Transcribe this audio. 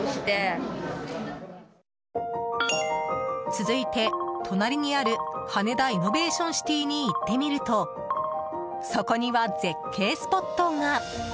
続いて、隣にある羽田イノベーションシティに行ってみるとそこには絶景スポットが。